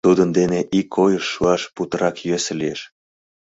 — Тудын дене ик ойыш шуаш путырак йӧсӧ лиеш.